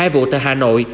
hai vụ tại hà nội